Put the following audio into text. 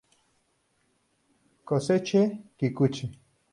Kosuke Kikuchi